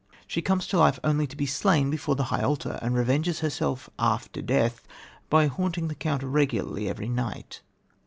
She comes to life only to be slain before the high altar, and revenges herself after death by haunting the count regularly every night.